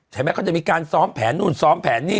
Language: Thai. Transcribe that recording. แม้เขาจะมีการซ้อมแผนนู่นซ้อมแผนนี่